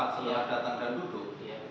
sudah datang dan duduk